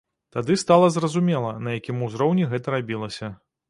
Тады стала зразумела, на якім узроўні гэта рабілася.